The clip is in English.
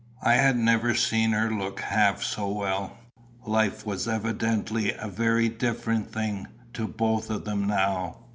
I had never seen her look half so well. Life was evidently a very different thing to both of them now.